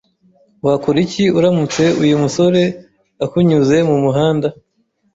Wakora iki uramutse uyu musore akunyuze mumuhanda?